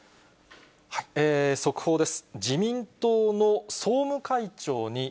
速報です。